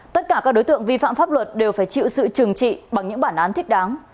tất cả các đối tượng vi phạm pháp luật đều phải chịu sự trừng trị bằng những bản án thích đáng